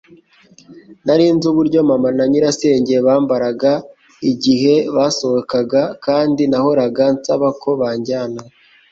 Nari nzi uburyo mama na nyirasenge bambaraga igihe basohokaga, kandi nahoraga nsaba ko bajyana.